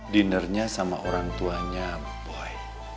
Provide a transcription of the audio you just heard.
dinnernya sama orang tuanya boy